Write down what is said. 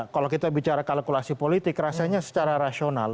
kalau kita bicara kalkulasi politik rasanya secara rasional